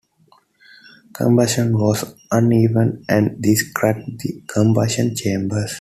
Combustion was uneven and this cracked the combustion chambers.